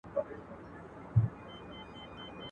هغو کارونو ته سياست ويل کېږي چې سياستوال يې هره ورځ ترسره کوي.